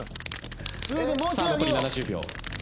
さあ残り７０秒。